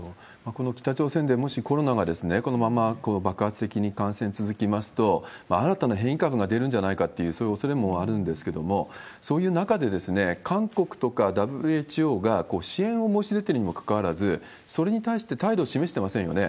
この北朝鮮で、もしコロナがこのまま爆発的に感染続きますと、新たな変異株が出るんじゃないかという、そういうおそれもあるんですけれども、そういう中で、韓国とかＷＨＯが支援を申し出てるのにもかかわらず、それに対して態度を示してませんよね。